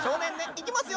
いきますよ